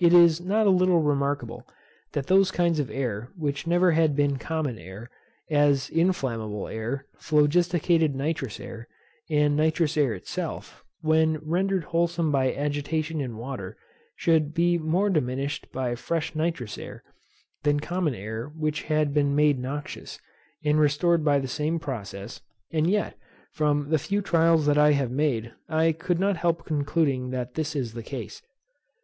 It is not a little remarkable, that those kinds of air which never had been common air, as inflammable air, phlogisticated nitrous air, and nitrous air itself, when rendered wholesome by agitation in water, should be more diminished by fresh nitrous air, than common air which had been made noxious, and restored by the same process; and yet, from the few trials that I have made, I could not help concluding that this is the case.